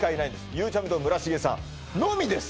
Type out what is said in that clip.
ゆうちゃみと村重さんのみです！